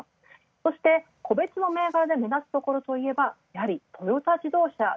そして個別の銘柄で目立つところはやはりトヨタ自動車。